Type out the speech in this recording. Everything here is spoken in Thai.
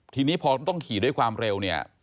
ทีนี้พอต้องขี่ด้วยความเร็วเนี่ย